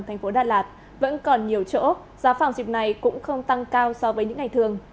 thành phố đà lạt vẫn còn nhiều chỗ giá phòng dịp này cũng không tăng cao so với những ngày thường